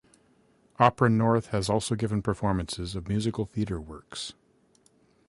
Opera North has also given performances of musical theatre works.